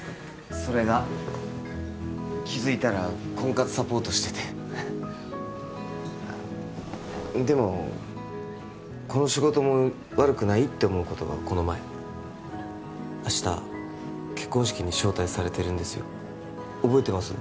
それが気づいたら婚活サポートしててでもこの仕事も悪くないって思うことがこの前明日結婚式に招待されてるんですよ覚えてます？